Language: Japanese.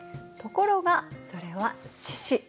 ところがそれは獅子。